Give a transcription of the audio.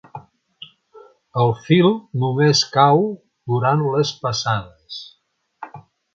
El fil només cau durant les passades.